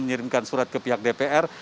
mengirimkan surat ke pihak dpr